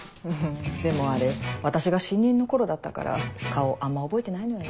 でもあれ私が新任の頃だったから顔あんま覚えてないのよね。